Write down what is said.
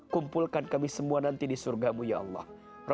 kumpulkan kami semua nanti di surgamu ya allah